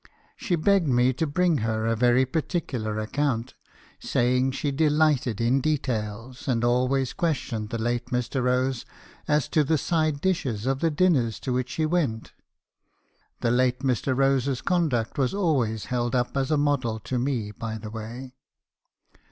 She begged me to bring her a very particular account, saying she delighted in details , and always questioned the late Mr. Rose as to the side dishes of the dinners to which he went. The late Mr. Rose's conduct was always held up as a model to me , by the way.